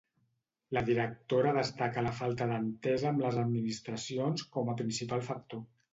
La directora destaca la falta d'entesa amb les administracions com a principal factor.